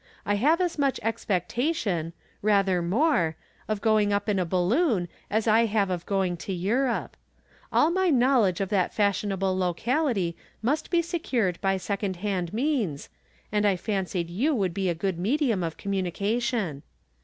I have as much expectation — ^rather more — of going up in a balloon as I have of going to Europe. All my laiowledge of that fashionable locality must 18 From Different Standpoints. be secTired by second hand means, and I fancied yon might be a good medium of communication.